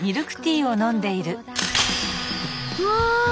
うわ！